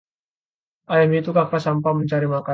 ayam itu kakas sampah mencari makan